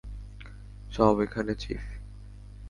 সব এখানে, চীফ!